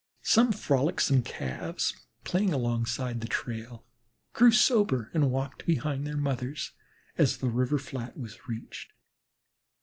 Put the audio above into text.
Some frolicsome Calves, playing along side the trail, grew sober and walked behind their mothers as the river flat was reached.